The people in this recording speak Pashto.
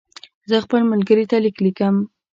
زه خپل ملګري ته لیک لیکم.